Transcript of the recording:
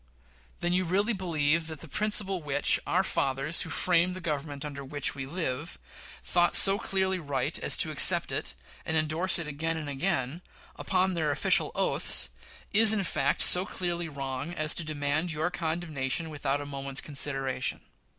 Then you really believe that the principle which "our fathers who framed the Government under which we live" thought so clearly right as to adopt it, and indorse it again and again, upon their official oaths, is in fact so clearly wrong as to demand your condemnation without a moment's consideration.